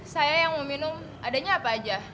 saya yang mau minum adanya apa aja